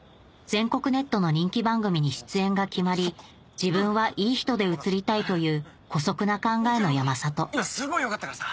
全国ネットの人気番組に出演が決まり自分はいい人で映りたいという姑息な考えの山里すごいよかったからさ。